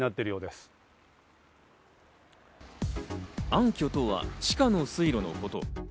暗渠とは地下の水路のこと。